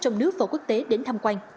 trong nước và quốc tế đến thăm quan